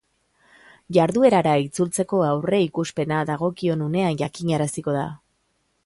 Jarduerara itzultzeko aurreikuspena dagokion unean jakinaraziko da.